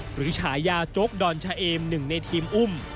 ฉายาโจ๊กดอนชะเอมหนึ่งในทีมอุ้ม